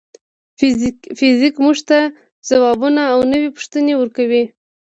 فزیک موږ ته ځوابونه او نوې پوښتنې ورکوي.